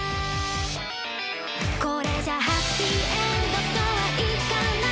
これじゃハッピーエンドとはいかない